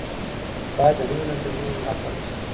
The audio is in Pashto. باید د نویو نظریو ملاتړ وسي.